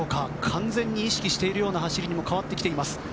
完全に意識しているような走りにも変わってきています。